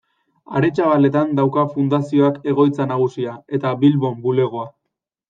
Aretxabaletan dauka fundazioak egoitza nagusia, eta Bilbon bulegoa.